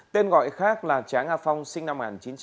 tên gọi khác là trá nga phong sinh năm một nghìn chín trăm tám mươi